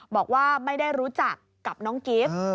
บอกว่าไม่ได้รู้จักกับน้องกิฟต์